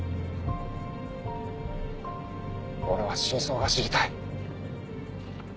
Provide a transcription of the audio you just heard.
俺は真相が知りたい。